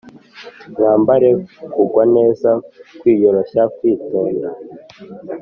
Mwambare kugwa neza kwiyoroshya kwitonda